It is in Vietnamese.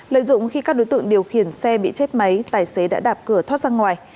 lợi dụng khi các đối tượng điều khiển xe bị chết máy tài xế đã đạp cửa thoát ra ngoài